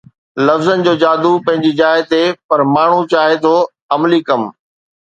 لفظن جو جادو پنهنجي جاءِ تي پر ماڻهو چاهي ٿو عملي ڪم